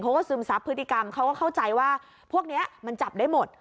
ซึมซับพฤติกรรมเขาก็เข้าใจว่าพวกนี้มันจับได้หมด